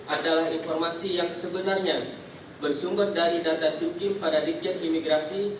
adalah informasi yang sebenarnya bersumber dari data simkim pada dijen imigrasi